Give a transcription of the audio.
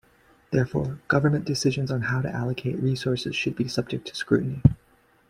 Therefore, government decisions on how to allocate resources should be subject to scrutiny.